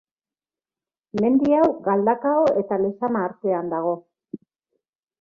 Mendi hau Galdakao eta Lezama artean dago.